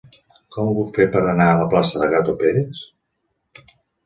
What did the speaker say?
Com ho puc fer per anar a la plaça de Gato Pérez?